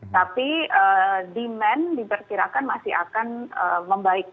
tapi demand diperkirakan masih akan membaik